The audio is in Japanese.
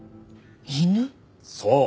そう。